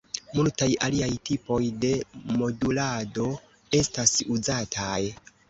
Multaj aliaj tipoj de modulado estas uzataj.